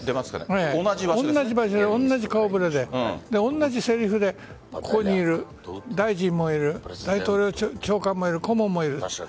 同じ場所で同じ顔触れで同じせりふでここにいる大臣もいる大統領長官もいる顧問もいる。